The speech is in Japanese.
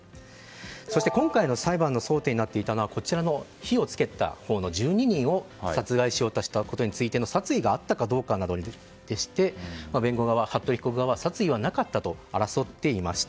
そして今回の裁判の争点になっていたのは火を付けたほうの１２人を殺害しようとしたことについての殺意があったかどうかでして弁護側は、服部被告は殺意はなかったと争っていました。